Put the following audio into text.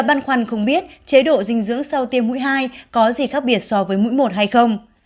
băn khoăn không biết chế độ dinh dưỡng sau tiêm mũi hai có gì khác biệt so với mũi một hay không